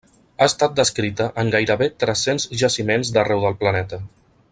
Ha estat descrita en gairebé tres-cents jaciments d'arreu del planeta.